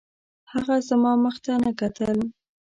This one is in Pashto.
هغه زما مخ ته نه کتل